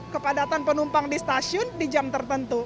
kepadatan penumpang di stasiun di jam tertentu